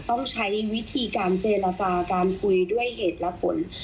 ต้องใช้วิธีการเจรจาการคุยด้วยเหตุและผล